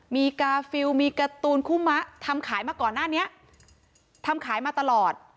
มีกาฟิลมีการ์ตูนคุมะทำขายมาก่อนหน้านี้ทำขายมาตลอด